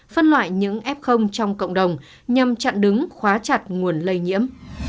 phân loại những f trong cộng đồng nhằm chặn đứng khóa chặt nguồn lây nhiễm